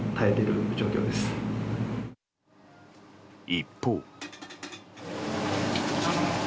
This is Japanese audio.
一方。